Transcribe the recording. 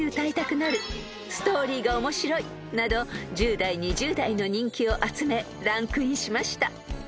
［など１０代２０代の人気を集めランクインしました］